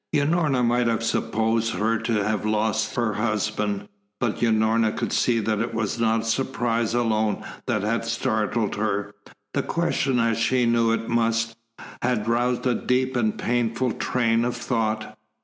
Unorna might have supposed her to have lost her husband. But Unorna could see that it was not surprise alone that had startled her. The question, as she knew it must, had roused a deep and painful train of thought.